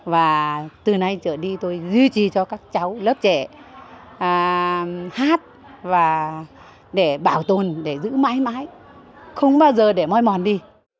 và từ nay trở đi tôi duy trì cho các cháu lớp trẻ hát và để bảo tồn để giữ mãi mãi không bao giờ để môi mòn đi